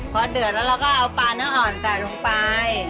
พอเดือดแล้วเราก็เอาปลาเนื้ออ่อนใส่ลงไป